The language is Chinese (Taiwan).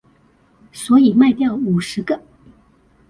所以賣掉五十個